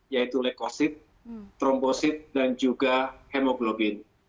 yaitu lekosid trombosid dan juga hemoglobin